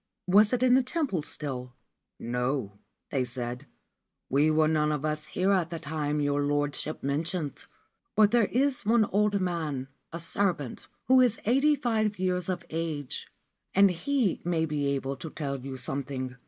Was it in the temple still ? 'No/ they said, c we were none of us here at the Reincarnation time your Lordship mentions. But there is one old man, a servant, who is eighty five years of age, and he may be able to tell you something.